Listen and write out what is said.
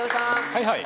はいはい！